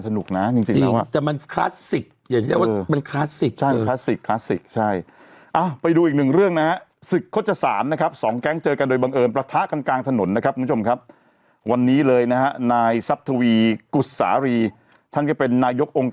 ถ้ามันอะไรทำไมน่ะคุยกันยังหมอลักษณ์ชอบคุยอะไรอย่าง